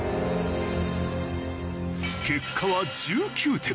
結果は１９点。